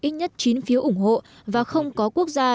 ít nhất chín phiếu ủng hộ và không có quốc gia